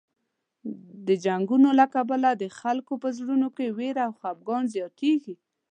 د جنګونو له کبله د خلکو په زړونو کې وېره او خفګان زیاتېږي.